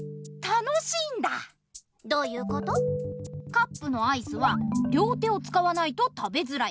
カップのアイスはりょう手をつかわないと食べづらい。